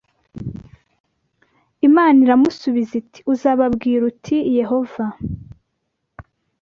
Imana iramusubiza iti uzababwira uti YEHOVA